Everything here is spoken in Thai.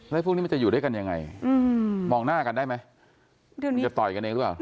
แล้วพวกนี้มันจะอยู่ด้วยกันยังไงมองหน้ากันได้ไหมมันจะต่อยกันเองหรือเปล่า